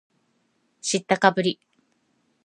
知ったかぶり